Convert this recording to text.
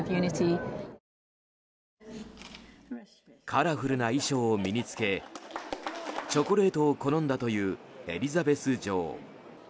カラフルな衣装を身に着けチョコレートを好んだというエリザベス女王。